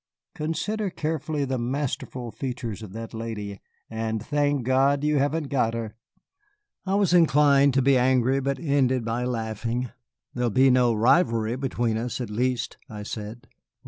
Consider carefully the masterful features of that lady and thank God you haven't got her." I was inclined to be angry, but ended by laughing. "There will be no rivalry between us, at least," I said.